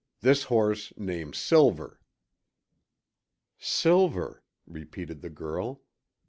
This horse name 'Silver.'" "Silver," repeated the girl.